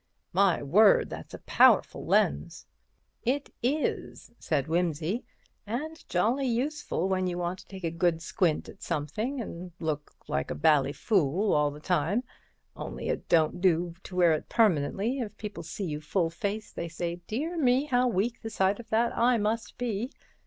"My word, that's a powerful lens." "It is," said Wimsey, "and jolly useful when you want to take a good squint at somethin' and look like a bally fool all the time. Only it don't do to wear it permanently—if people see you full face they say, 'Dear me! how weak the sight of that eye must be!'